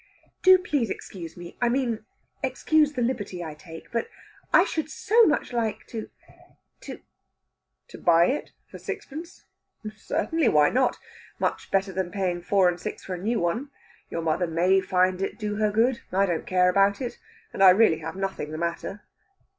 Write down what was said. "Do please excuse me I mean, excuse the liberty I take but I should so much like to to...." "To buy it for sixpence? Certainly. Why not? Much better than paying four and six for a new one. Your mother may find it do her good. I don't care about it, and I really have nothing the matter."